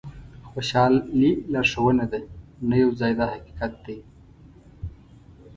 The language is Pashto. خوشالي لارښوونه ده نه یو ځای دا حقیقت دی.